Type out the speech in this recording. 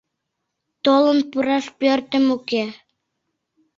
Толын пураш пӧртем уке.